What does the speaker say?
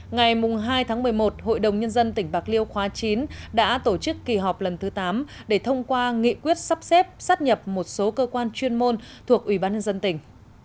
ngày hai tháng một mươi một hội đồng nhân dân tỉnh bạc liêu khóa chín đã tổ chức kỳ họp lần thứ tám để thông qua nghị quyết sắp xếp sắp nhập một số cơ quan chuyên môn thuộc ủy ban nhân dân tỉnh